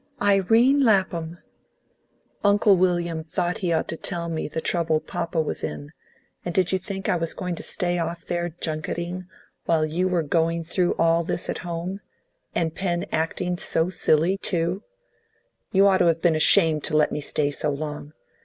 "Irene Lapham." "Uncle William thought he ought to tell me the trouble papa was in; and did you think I was going to stay off there junketing, while you were going through all this at home, and Pen acting so silly, too? You ought to have been ashamed to let me stay so long!